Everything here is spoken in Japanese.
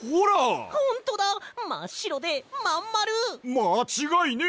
まちがいねえ！